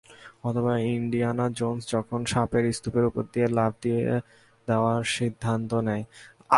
অথবা Indiana Jones যখন সাপের স্তূপের ওপর দিয়ে লাফ দেওয়ার সিদ্ধান্ত নেয়।